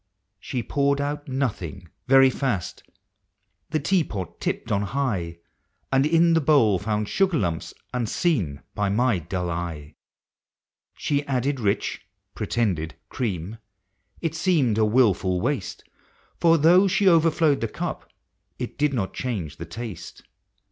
She poured out nothing, very fast — the tea pot tipped on high, — And in the bowl found sugar lumps unseen by my dull eve. She added rich (pretended) cream — it seemed a wilful waste, For though she overflowed the cup, it did not change the taste.